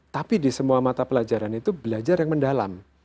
tapi di semua mata pelajaran itu belajar yang mendalam